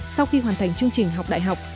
sau khi hoàn thành chương trình học đại học